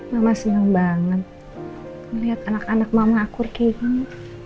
mama senang banget melihat anak anak mama aku rekebang